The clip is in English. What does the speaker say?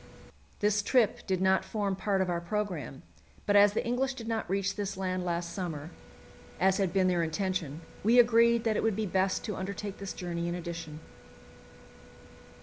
This trip did not form part of our programme, but as the English did not reach this land last summer, as had been their intention, we agreed that it would be best to undertake this journey in addition.